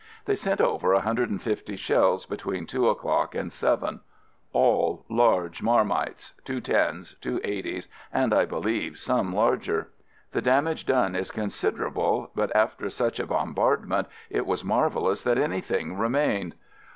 They sent over 150 shells between two o'clock and seven. All large mar mites — 210's, 280's, and I believe some larger. The damage done is considerable, but after such a bombardment it was marvelous that anything remained.